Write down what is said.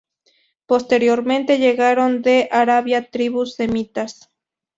Posteriormente llegaron de Arabia tribus semitas.